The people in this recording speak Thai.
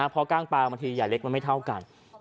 เพราะกล้างปลาบางทีใหญ่เล็กมันไม่เท่ากัน